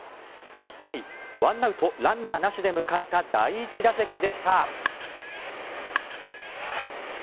１回１アウトランナーなしで迎えた第１打席でした。